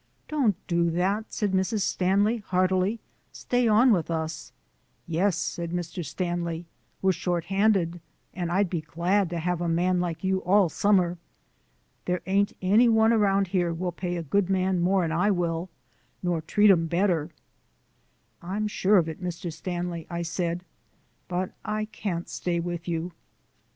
"Don't do that," said Mrs. Stanley heartily; "stay on with us." "Yes," said Mr. Stanley, "we're shorthanded, and I'd be glad to have a man like you all summer. There ain't any one around here will pay a good man more'n I will, nor treat 'im better." "I'm sure of it, Mr. Stanley," I said, "but I can't stay with you."